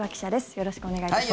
よろしくお願いします。